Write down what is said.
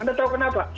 anda tahu kenapa